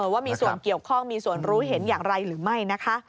ว่ามีส่วนเกี่ยวข้องมีส่วนรู้เห็นอย่างไรหรือไม่นะคะ